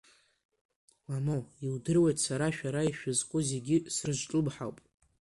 Мамоу, иудыруеит сара шәара ишәызку зегьы срызҿлымҳауп.